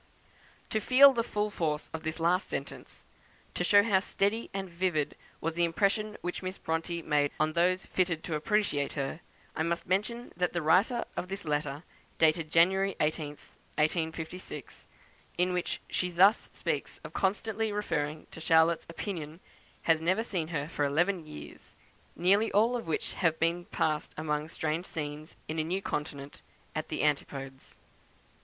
To feel the full force of this last sentence to show how steady and vivid was the impression which Miss Bronte made on those fitted to appreciate her I must mention that the writer of this letter, dated January 18th, 1856, in which she thus speaks of constantly referring to Charlotte's opinion has never seen her for eleven years, nearly all of which have been passed among strange scenes, in a new continent, at the antipodes.